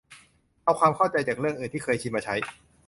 เอาความเข้าใจจากเรื่องอื่นที่เคยชินมาใช้